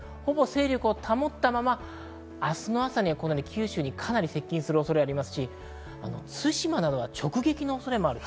勢力を保ったまま明日の朝に九州にかなり接近する恐れがありますし、対馬などは直撃の恐れもある。